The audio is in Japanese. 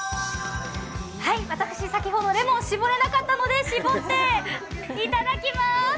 私、先ほどレモンを絞らなかったので絞っていただきます。